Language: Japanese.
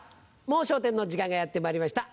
『もう笑点』の時間がやってまいりました。